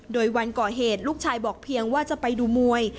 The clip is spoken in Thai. โดยวันก่อเหตุลูกชายบอกเพียงว่าจะไปดูมวย